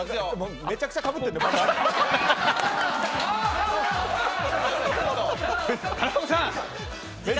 めちゃくちゃかぶってんだよ！